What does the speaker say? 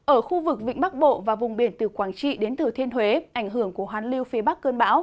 ở khu vực vĩnh bắc bộ và vùng biển từ quảng trị đến thừa thiên huế ảnh hưởng của hoàn lưu phía bắc cơn bão